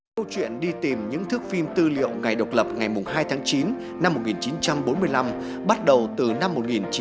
câu chuyện đi tìm những thước phim tư liệu ngày độc lập ngày hai tháng chín năm một nghìn chín trăm bốn mươi năm bắt đầu từ năm một nghìn chín trăm bảy mươi